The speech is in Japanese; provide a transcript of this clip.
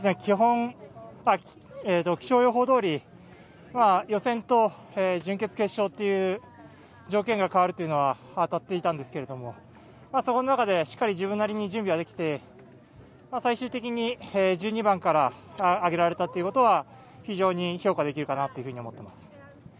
気象予報どおり予選と準決、決勝で条件が変わるというのは当たっていたんですけどもそこの中で、しっかり自分なりに準備はできて最終的に１２番から上げられたということは非常に評価できると思っています。